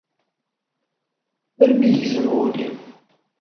Armi yegzem wul-iw.